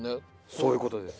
そういうことです。